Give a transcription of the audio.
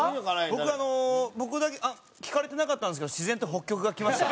僕あの僕だけ聞かれてなかったんですけど自然と北極がきました。